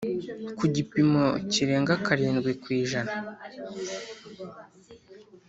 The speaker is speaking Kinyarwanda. kugipimo kirenga karindwi kw’ijana